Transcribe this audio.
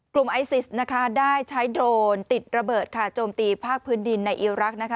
กลุ่มไอซีสได้ใช้โดรนติดระเบิดจมตีภาคพื้นดินในอิรักโลก